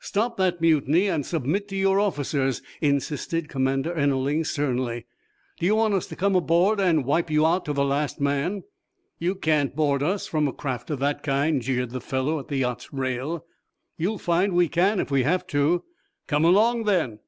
"Stop that mutiny and submit to your officers," insisted Commander Ennerling, sternly. "Do you want us to come aboard and wipe you out to the last man?" "You can't board us, from a craft of that kind," jeered the fellow at the yacht's rail. "You'll find we can, if we have to." "Come along, then!"